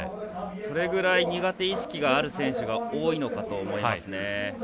それぐらい苦手意識がある選手が多いのかと思いますね。